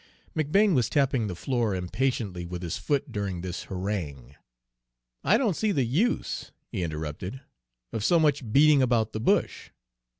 McBane was tapping the floor impatiently with his foot during this harangue. "I don't see the use," he interrupted, "of so much beating about the bush.